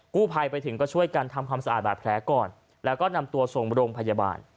ภัยไปถึงก็ช่วยกันทำความสะอาดบาดแผลก่อนแล้วก็นำตัวส่งโรงพยาบาล